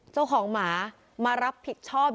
เจ้าของหมามารับผิดชอบ